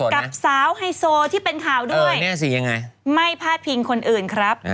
กับสาวไฮโซที่เป็นข่าวด้วยไม่พาดพิงคนอื่นครับ